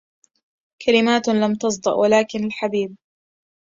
كلمات لم تصدأ, ولكن الحبيبْ